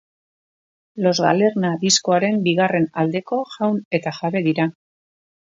Los Galerna diskoaren bigarren aldeko jaun eta jabe dira.